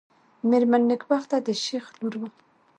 مېرمن نېکبخته د شېخ لور وه.